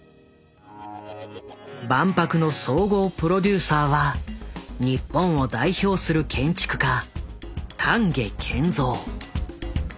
万博の総合プロデューサーは日本を代表する建築家丹下健三。